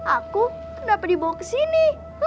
aku kenapa dibawa kesini